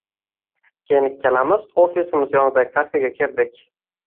Keyin ikkalamiz ofisimiz yonidagi kafega kirdik